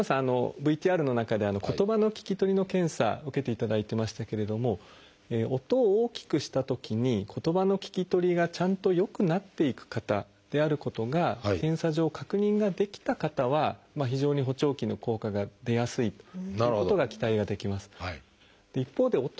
ＶＴＲの中で言葉の聞き取りの検査受けていただいてましたけれども音を大きくしたときに言葉の聞き取りがちゃんと良くなっていく方であることが検査上確認ができた方は非常に補聴器の効果が出やすいということが期待はできます。